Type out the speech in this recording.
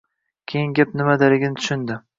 Keyin gap nimadaligini tushundi